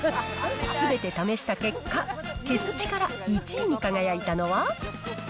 すべて試した結果、消す力１位に輝いたのは。